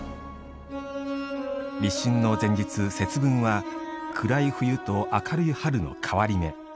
立春の前日、節分は暗い冬と明るい春の変わり目。